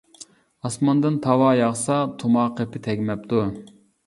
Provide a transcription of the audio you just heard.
ئاسماندىن تاۋار ياغسا، تۇمار قېپى تەگمەپتۇ.